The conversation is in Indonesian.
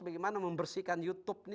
bagaimana membersihkan youtube ini